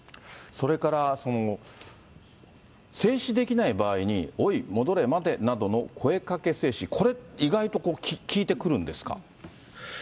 それから、制止できない場合に、おい、戻れ、待てなどの声かけ制止、これ、意外と効いてくるんですか？